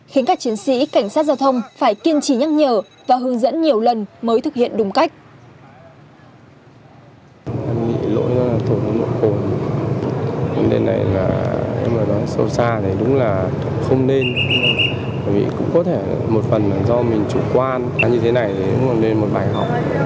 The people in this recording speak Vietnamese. khiến các chiến sĩ cảnh sát giao thông phải kiên trì nhắc nhở và hướng dẫn nhiều lần mới thực hiện đúng cách